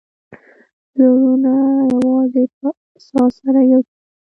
زړونه یوازې په احساس سره یو کېږي.